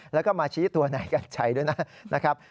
แล้วก็มาชี้ตัวนายกัญชัยด้วยนะครับ